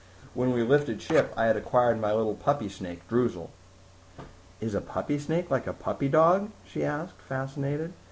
When we lifted ship, I had acquired my little puppy snake, Droozle." "Is a puppy snake like a puppy dog?" she asked, fascinated.